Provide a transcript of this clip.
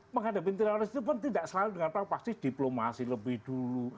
menghadapi teroris itu pun tidak selalu dengan pasti diplomasi lebih dulu